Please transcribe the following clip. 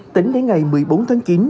tính đến ngày một mươi bốn tháng chín